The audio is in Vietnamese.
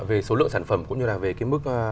về số lượng sản phẩm cũng như là về cái mức